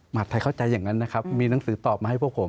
หัดไทยเข้าใจอย่างนั้นนะครับมีหนังสือตอบมาให้พวกผม